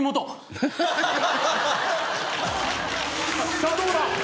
さあどうだ？